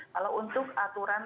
kalau untuk aturan aturan